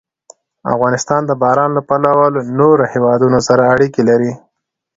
افغانستان د باران له پلوه له نورو هېوادونو سره اړیکې لري.